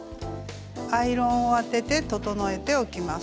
アイロンを当てて整えておきます。